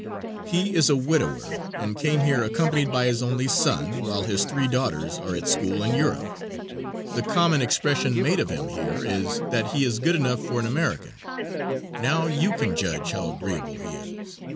He is a widower, and came here accompanied by his only son, while his three daughters are at school in Europe. The common expression made of him here is, that "he is good enough for an American." Now you can judge how agreeable he is.